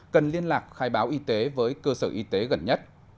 cần liên lạc khai báo y tế với cơ sở y tế gần nhất